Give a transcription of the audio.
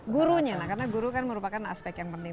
gurunya nah karena guru kan merupakan aspek yang penting